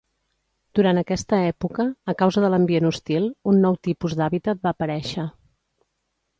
Durant aquesta època a causa de l'ambient hostil, un nou tipus d'hàbitat va parèixer.